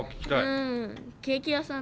うんケーキ屋さん。